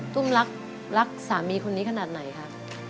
ตุ้มรักสามีคนนี้ขนาดไหนคะ